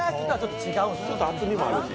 ちょっとも厚みもあるし。